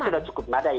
sudah cukup memadai